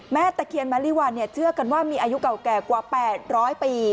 ตะเคียนมะลิวัลเชื่อกันว่ามีอายุเก่าแก่กว่า๘๐๐ปี